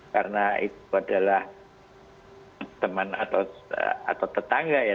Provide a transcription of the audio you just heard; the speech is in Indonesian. karena itu adalah teman atau tetangga ya